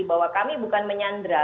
bahwa kami bukan menyandra